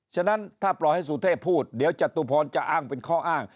ฉะนั้นถ้าปล่อยให้สุเทพพูดเดี๋ยวจตุพรจะอ้างเป็นข้ออ้าง